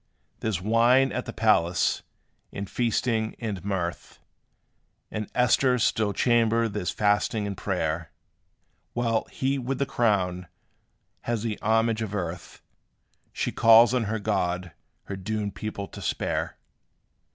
There 's wine at the palace, and feasting, and mirth; In Esther's still chamber there 's fasting, and prayer; While he with the crown, has the homage of earth, She calls on her God her doomed people to spare.